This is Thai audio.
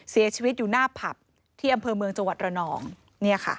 เสียชีวิตอยู่หน้าผับที่อำเภอเมืองจังหวัดระนองเนี่ยค่ะ